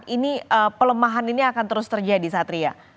ini pelemahan ini akan terus terjadi satria